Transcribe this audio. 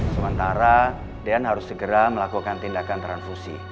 sementara den harus segera melakukan tindakan transfusi